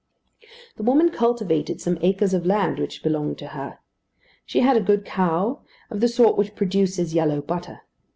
The woman cultivated some acres of land which belonged to her. She had a good cow, of the sort which produces yellow butter.